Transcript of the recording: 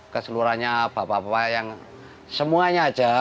keseluruhannya bapak bapak yang semuanya aja